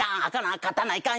紅勝たないかん！」